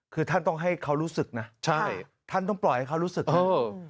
คือท่านต้องให้เขารู้สึกนะใช่ท่านต้องปล่อยให้เขารู้สึกเถอะ